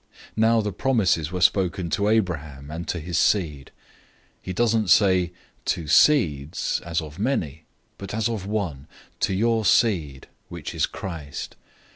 003:016 Now the promises were spoken to Abraham and to his seed. He doesn't say, "To seeds," as of many, but as of one, "To your seed,"{Genesis 12:7; 13:15; 24:7} which is Christ.